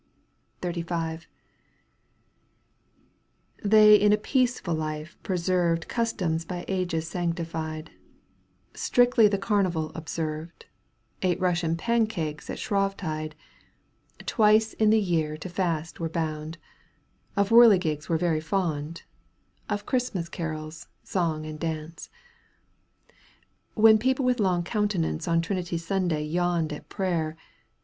XXXV. r\j They in a peaceful life preserved Customs by ages sanctified, Digitized by CjOOQ 1С 68 EUGENE ONilGUINE. canto ir. Strictly the Carnival observed, Ate Bussian pancakes at Shrovetide, Twice in the year to fast were bound, Of whirligigs were very fond, Of Christmas carols, song and dance ; When people with long countenance On Trinity Sunday yawned at prayer.